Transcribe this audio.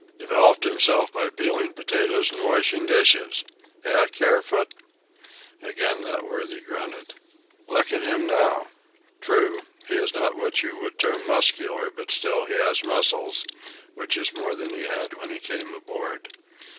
"Developed himself by peeling potatoes and washing dishes. Eh, Kerfoot?" Again that worthy grunted. "Look at him now. True, he is not what you would term muscular, but still he has muscles, which is more than he had when he came aboard.